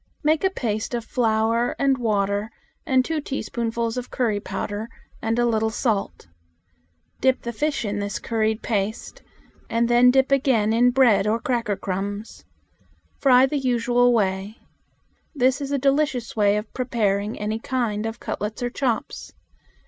Make a paste of flour and water and two teaspoons of curry powder and a little salt. Dip the fish in this curried paste, and then dip again in bread or cracker crumbs. Fry in the usual way. This is a delicious way of preparing any kind of cutlets or chops.